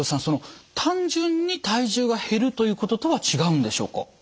その単純に体重が減るということとは違うんでしょうか？